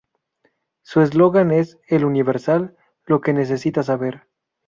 Su eslogan es "El Universal, lo que necesita saber".